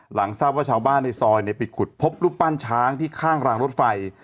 หลังทราบว่าชาวบ้านในซอยไปขุดพบรูปปั้นช้างที่ข้างรางรถไฟ